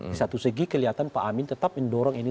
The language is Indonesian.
di satu segi kelihatan pak amin tetap mendorong ini